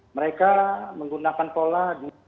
mereka menggunakan pola